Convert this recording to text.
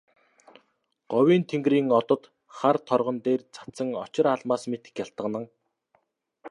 Говийн тэнгэрийн одод хар торгон дээр цацсан очир алмаас мэт гялтганан.